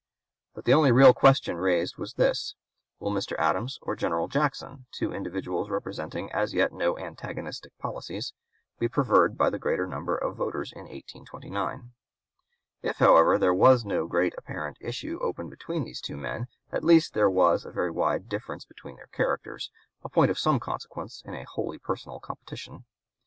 But the only real question raised was this: will Mr. Adams or General Jackson two individuals representing as yet no (p. 197) antagonistic policies be preferred by the greater number of voters in 1829? If, however, there was no great apparent issue open between these two men, at least there was a very wide difference between their characters, a point of some consequence in a wholly personal competition.